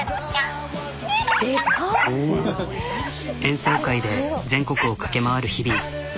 演奏会で全国を駆け回る日々。